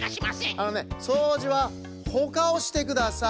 あのねそうじはほかをしてください。